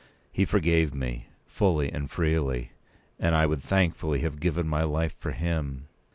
He forgave me, fully and freely; and I would thankfully have given my life for him.